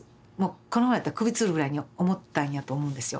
このままやったら首つるぐらいに思ったんやと思うんですよ